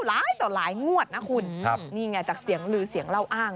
หลายต่อหลายงวดนะคุณครับนี่ไงจากเสียงลือเสียงเล่าอ้าง